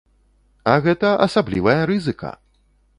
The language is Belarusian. А гэта асаблівая рызыка!